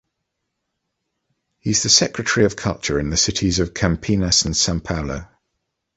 He is the secretary of Culture in the cities of Campinas and Sao Paulo.